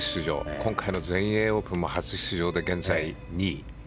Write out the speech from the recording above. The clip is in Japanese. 今回の全英オープンも現在２位。